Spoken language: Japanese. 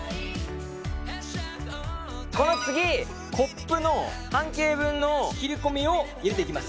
この次コップの半径分の切り込みを入れていきます。